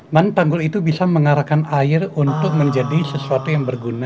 mana tanggul itu bisa mengarahkan air untuk menjadi sesuatu yang berguna